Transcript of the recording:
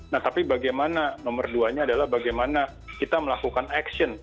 nah tapi bagaimana nomor duanya adalah bagaimana kita melakukan action